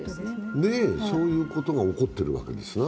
そういうことが起こってるわけですな。